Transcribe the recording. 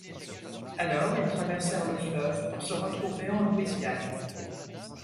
Alors, il traversèrent le fleuve pour se retrouver en Louisiane.